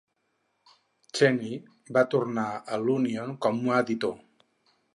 Cheney va tornar a l'"Union" com a editor.